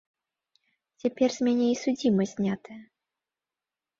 Цяпер з мяне і судзімасць знятая.